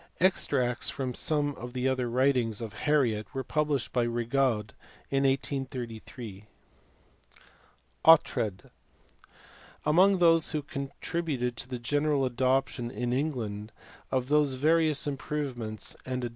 Extracts from some of the other writings of Harriot were published by Rigaud in 1833. Oughtred. Among those who contributed to the general adoption in England of these various improvements and ad B.